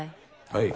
はい。